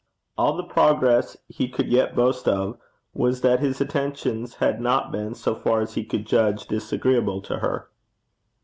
All the progress he could yet boast of was that his attentions had not been, so far as he could judge, disagreeable to her.